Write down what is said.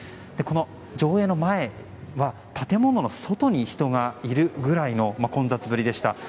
この上映の前は建物の外に人がいるぐらいの混雑ぶりでした。